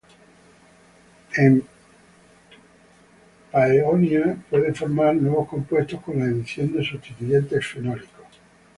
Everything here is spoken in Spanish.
En "Paeonia", puede formar nuevos compuestos con adición de sustituyentes fenólicos.